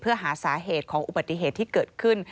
เพื่อหาสาเหตุของอุบัติเหตุที่เกิดขึ้น